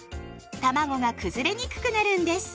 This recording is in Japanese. たまごが崩れにくくなるんです。